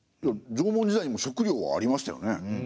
縄文時代にも食糧はありましたよね。